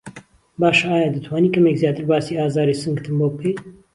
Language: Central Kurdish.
باشه ئایا دەتوانی کەمێک زیاتر باسی ئازاری سنگتم بۆ بکەی؟